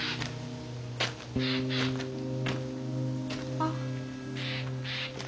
あっ。